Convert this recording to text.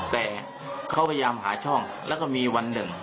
แต่เขาพยายามหาช่องแล้วก็มีวันหนึ่ง